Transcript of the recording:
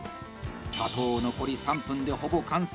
佐藤、残り３分でほぼ完成。